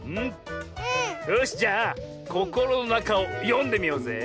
よしじゃあ「ココロのなか」をよんでみようぜ。